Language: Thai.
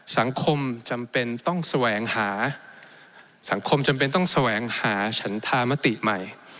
สังคมจำเป็นต้องแสวงหาสังคมจำเป็นต้องแสวงหาฉันธามติใหม่